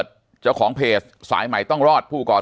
ปากกับภาคภูมิ